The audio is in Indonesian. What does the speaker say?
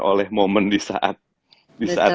oleh momen di saat itu